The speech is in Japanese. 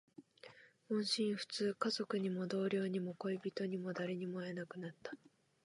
音信不通。家族にも、同僚にも、恋人にも、誰にも会えなくなった。